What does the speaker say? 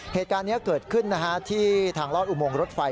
เหตุการณ์นี้เกิดขึ้นที่ทางลอดอุโมงรถไฟ